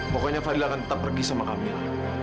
pokoknya fadil akan tetap pergi sama kami